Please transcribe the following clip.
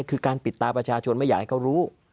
คือการปิดตาประชาชนไม่อยากให้เขารู้